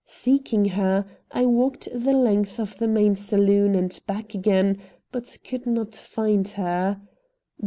Seeking her, I walked the length of the main saloon and back again, but could not find her.